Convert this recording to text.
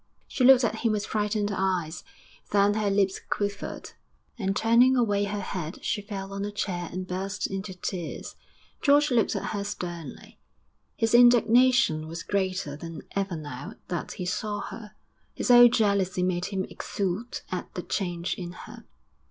She looked at him with frightened eyes, then her lips quivered, and turning away her head she fell on a chair and burst into tears. George looked at her sternly. His indignation was greater than ever now that he saw her. His old jealousy made him exult at the change in her.